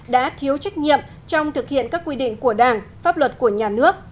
đã thiếu trách nhiệm trong thực hiện các quy định của đảng pháp luật của nhà nước